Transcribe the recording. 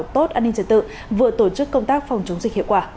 tốt an ninh trật tự vừa tổ chức công tác phòng chống dịch hiệu quả